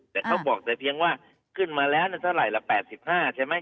แต่เขาบอกแต่เพียงว่าขึ้นมาแล้วเท่าไหร่ละ๘๕ใช่ไหม